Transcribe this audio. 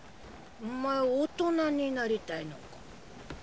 お前大人になりたいのか。